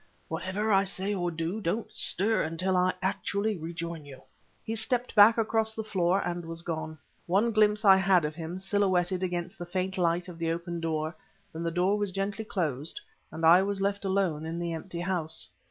Whatever I say or do, don't stir until I actually rejoin you." He stepped back across the floor and was gone. One glimpse I had of him, silhouetted against the faint light of the open door, then the door was gently closed, and I was left alone in the empty house.